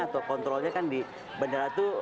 atau kontrolnya kan di bandara itu